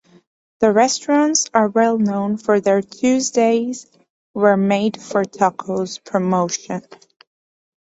The restaurants are well known for their "Tuesdays Were Made for Tacos"promotion.